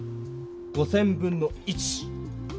５，０００分の１。